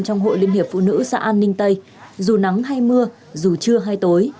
trong hội liên hiệp phụ nữ xã an ninh tây dù nắng hay mưa dù trưa hay tối